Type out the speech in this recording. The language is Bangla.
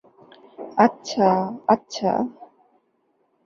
আচ্ছা, আচ্ছা।